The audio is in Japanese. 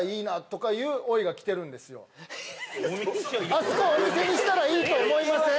あそこお店にしたらいいと思いません？